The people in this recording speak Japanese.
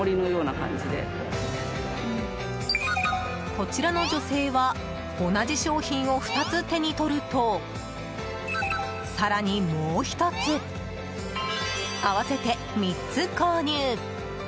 こちらの女性は同じ商品を２つ手に取ると更に、もう１つ合わせて３つ購入。